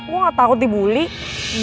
gue gak takut dibully